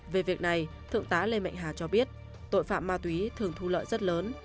về việc này thượng tá lê mạnh hà cho biết tội phạm ma túy thường thu lợi rất lớn